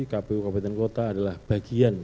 kpu kabupaten kota adalah bagian